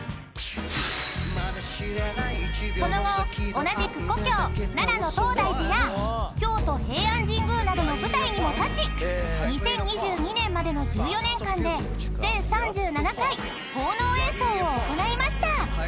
［その後同じく故郷奈良の東大寺や京都平安神宮などの舞台にも立ち２０２２年までの１４年間で全３７回奉納演奏を行いました］